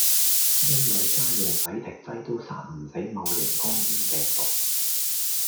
因為家用洗滌劑都殺唔死戊型肝炎病毒